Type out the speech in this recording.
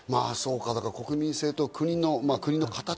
国民性と国の形。